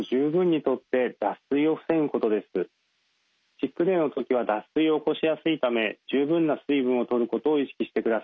シックデイの時は脱水を起こしやすいため十分な水分をとることを意識してください。